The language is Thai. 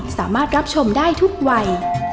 สามารถรับชมได้ทุกวัย